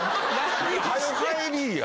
はよ帰りや。